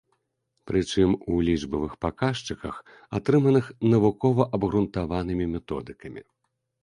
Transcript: Прычым, у лічбавых паказчыках, атрыманых навукова-абгрунтаванымі методыкамі.